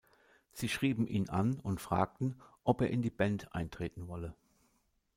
Sie schrieben ihn an und fragten, ob er in die Band eintreten wolle.